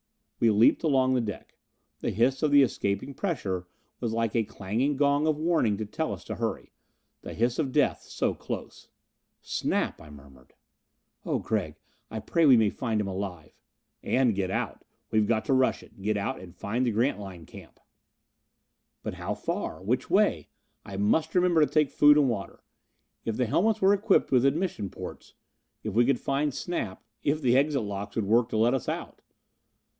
We leaped along the deck. The hiss of the escaping pressure was like a clanging gong of warning to tell us to hurry. The hiss of death so close! "Snap " I murmured. "Oh, Gregg. I pray we may find him alive !" "And get out. We've got to rush it. Get out and find the Grantline camp." But how far? Which way? I must remember to take food and water. If the helmets were equipped with admission ports. If we could find Snap. If the exit locks would work to let us out.